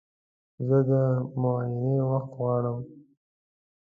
زه د معاینې وخت غواړم.